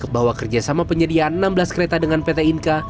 bahwa kerjasama penyediaan enam belas kereta dengan pt inka